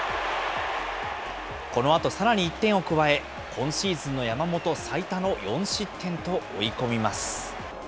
このあとさらに１点を加え、今シーズンの山本、最多の４失点と追い込みます。